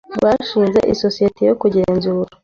Bashinze isosiyete yo kugenzura.